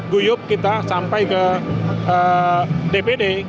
guyup kita sampai ke dpd